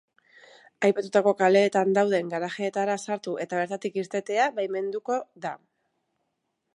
Aipatutako kaleetan dauden garajeetara sartu eta bertatik irtetea baimenduko da.